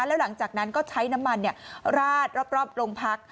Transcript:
แล้วหลังจากนั้นก็ใช้น้ำมันราดรอบโรงพัก